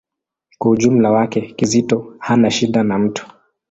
Kwa ujumla wake, Kizito hana shida na mtu.